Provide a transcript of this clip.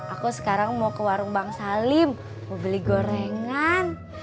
aku sekarang mau ke warung bang salim mau beli gorengan